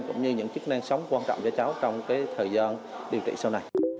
cũng như những chức năng sống quan trọng cho cháu trong thời gian điều trị sau này